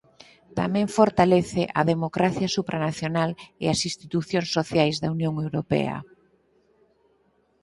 Tamén fortalece a democracia supranacional e as institucións sociais da Unión Europea.